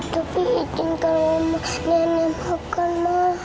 tapi izinkan nenek makan ma